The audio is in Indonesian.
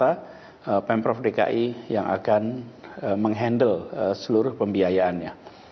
dan kami di pemprov dki yang akan mengendal seluruh pembiayaannya